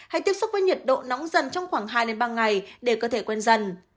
hãy tiếp xúc với nhiệt độ nóng dần trong khoảng hai ba ngày để cơ thể quen dần